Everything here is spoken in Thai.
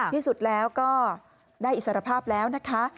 ที่สุดแล้วก็ได้อิสรภาพแล้วนะคะ